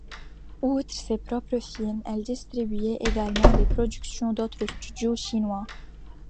Outre ses propres films, elle distribuait également les productions d'autres studios chinois.